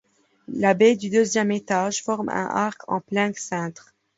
La baie du deuxième étage forme un arc en plein cintre.